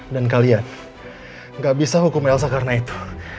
dan kalian gak bisa hukum elsa karena itu